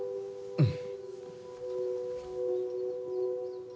うん。